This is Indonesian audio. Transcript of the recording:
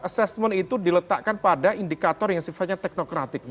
assessment itu diletakkan pada indikator yang sifatnya teknokratik